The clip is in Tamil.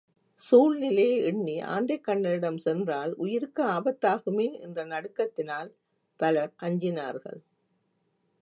சூழ்நிலையை எண்ணி ஆந்தைக்கண்ணனிடம் சென்றால், உயிருக்கு ஆபத்தாகுமே என்ற நடுக்கத்தினால் பலர் அஞ்சினார்கள்.